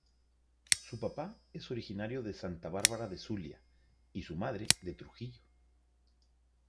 Su papá es originario de Santa Bárbara del Zulia, y su madre de Trujillo.